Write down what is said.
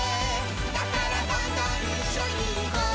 「だからどんどんいっしょにいこう」